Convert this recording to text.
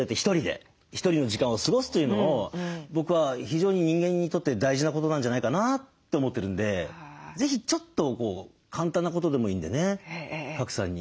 ひとりの時間を過ごすというのを僕は非常に人間にとって大事なことなんじゃないかなって思ってるんで是非ちょっと簡単なことでもいいんでね賀来さんに勧めたいですね。